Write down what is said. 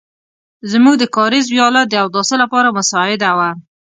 زموږ د کاریز وياله د اوداسه لپاره مساعده وه.